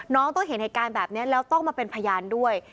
น้องต้องเห็นเหตุการณ์แบบนี้แล้วต้องมาเป็นพยานด้วย